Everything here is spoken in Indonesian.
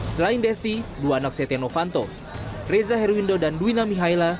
selain desti dua anak setia novanto reza herwindo dan duwina mihaela